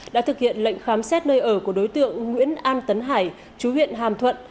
đã thực hiện lệnh khám xét nơi ở của đối tượng nguyễn an tấn hải chú huyện hàm thuận